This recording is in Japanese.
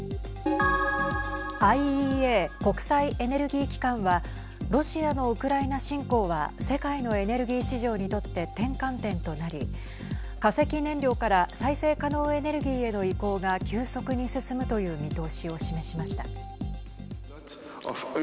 ＩＥＡ＝国際エネルギー機関はロシアのウクライナ侵攻は世界のエネルギー市場にとって転換点となり化石燃料から再生可能エネルギーへの移行が急速に進むという見通しを示しました。